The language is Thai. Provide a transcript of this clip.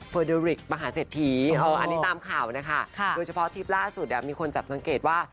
เพอเดริกประหารเสดทีอันนี้ตามข่าวโดยเฉพาะทิวป์ล่าสุดได้มีคนจะสังเกตว่า